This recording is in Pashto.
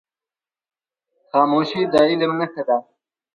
خاموشي، د علم نښه ده.